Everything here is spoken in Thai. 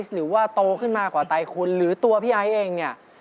หรือว่าโตขึ้นมากว่าไตคุณหรือตัวพี่ไอ้เองเนี่ย